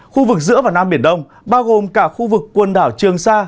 khu vực giữa và nam biển đông bao gồm cả khu vực quần đảo trường sa